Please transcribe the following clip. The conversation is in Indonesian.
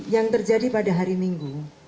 yang terjadi pada hari minggu